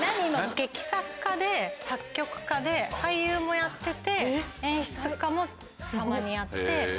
劇作家で作曲家で俳優もやってて演出家もたまにやって。